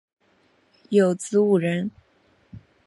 有子五人